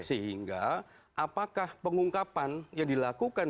sehingga apakah pengungkapan yang dilakukan